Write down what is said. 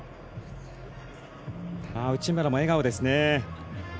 内村も笑顔ですね。